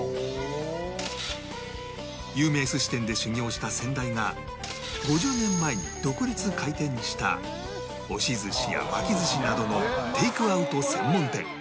有名寿司店で修業した先代が５０年前に独立開店した押し寿司や巻き寿司などのテイクアウト専門店